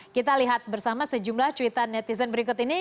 kita lihat bersama sejumlah cuitan netizen berikut ini